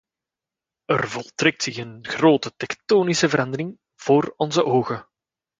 Er voltrekt zich een grote tektonische verandering voor onze ogen.